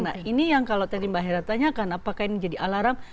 nah ini yang kalau tadi mbak hera tanyakan apakah ini jadi alarm